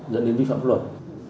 dẫn đến vi phạm luật